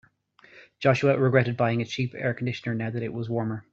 Joshua regretted buying a cheap air conditioner now that it was warmer.